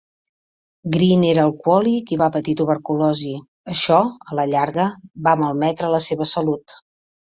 Grin era alcohòlic i va patir tuberculosi. Això, a la llarga, va malmetre la seva salut.